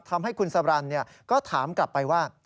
ทำให้คุณสรรก็ถามกลับไปว่า